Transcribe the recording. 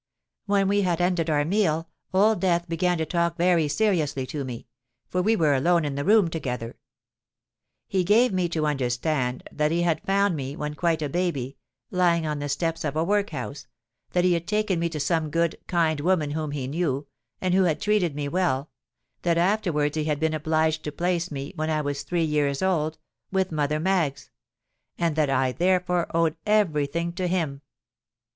When we had ended our meal, Old Death began to talk very seriously to me—for we were alone in the room together. He gave me to understand that he had found me, when quite a baby, lying on the steps of a workhouse—that he had taken me to some good, kind woman whom he knew, and who had treated me well—that afterwards he had been obliged to place me, when I was three years old, with Mother Maggs—and that I therefore owed every thing to him.